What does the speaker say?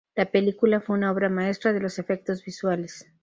La película fue una obra maestra de los efectos visuales.